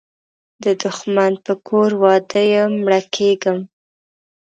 د دښمن په کور واده یمه مړه کیږم